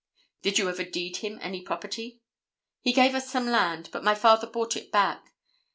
"Did you ever deed him any property?" "He gave us some land, but my father bought it back.